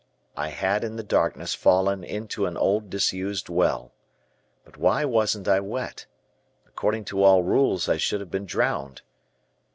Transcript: I had in the darkness fallen into an old disused well. But why wasn't I wet? According to all rules I should have been drowned.